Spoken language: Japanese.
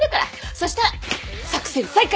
そしたら作戦再開！